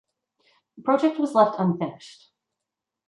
The project was left unfinished.